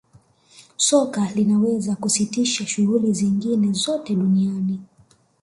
soka linaweza kusitisha shughuli zingine zote duniani